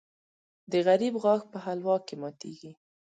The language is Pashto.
د غریب غاښ په حلوا کې ماتېږي.